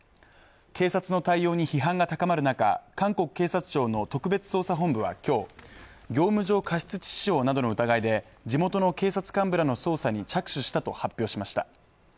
警察の対応に批判が高まる中韓国警察庁の特別捜査本部は今日、業務上過失致死傷などの疑いで地元の警察幹部らの捜査に着手したと発表しました。